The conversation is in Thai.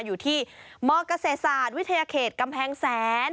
อยู่ที่มเกษตรศาสตร์วิทยาเขตกำแพงแสน